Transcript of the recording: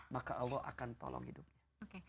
maka allah akan tolong hidupnya